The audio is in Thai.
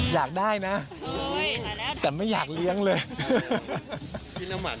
เขาก็จะแบบเพราะเขาเคยเป็นที่หนึ่งมาตลอด